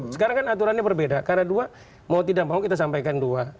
sekarang kan aturannya berbeda karena dua mau tidak mau kita sampaikan dua